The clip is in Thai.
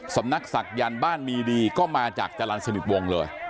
สำนักศักยันต์บ้านมีดีก็มาจากจรรย์สนิทวงเลย